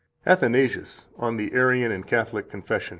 72 ATHANASIUS, On the Arian and Catholic Confession (t.